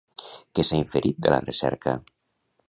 Què s'ha inferit de la recerca?